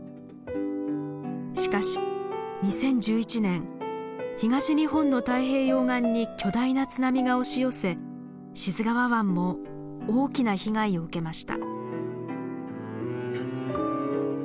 しかし２０１１年東日本の太平洋岸に巨大な津波が押し寄せ志津川湾も大きな被害を受けました。